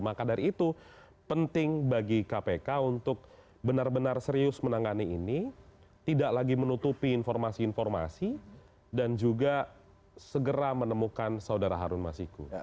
maka dari itu penting bagi kpk untuk benar benar serius menangani ini tidak lagi menutupi informasi informasi dan juga segera menemukan saudara harun masiku